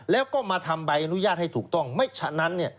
แล้วก็มาทำใบอนุญาตให้ถูกต้องไม่ฉะนั้น